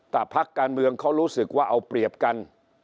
ถ้าพักการเมืองเขารู้สึกว่าเอาเปรียบกัน